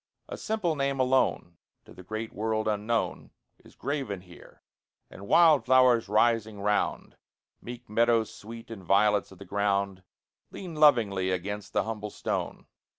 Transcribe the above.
A simple name alone, To the great world unknown, Is graven here, and wild flowers rising round, Meek meadow sweet and violets of the ground, Lean lovingly against the humble stone.